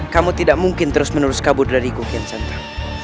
kaum tidak mungkin terus menerus kabur dari if creator